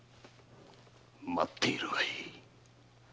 待っているがいい。